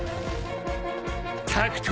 タクト。